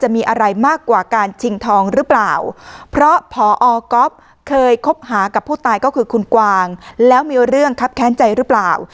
มีไปคบหากับผู้ตายก็คือคุณกวางแล้วมีเรื่องคับแค้นใจรึเปล่า